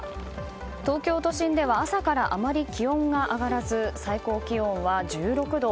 東京都心では朝からあまり気温が上がらず最高気温は１６度。